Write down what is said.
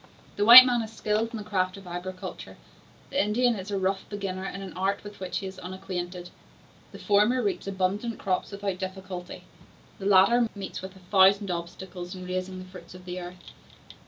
The white man is skilled in the craft of agriculture; the Indian is a rough beginner in an art with which he is unacquainted. The former reaps abundant crops without difficulty, the latter meets with a thousand obstacles in raising the fruits of the earth.